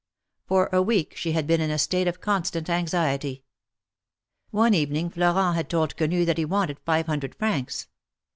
For a week she had been in a state of constant anxiety. One evening Florent had told Quenu that he wanted five hun dred francs.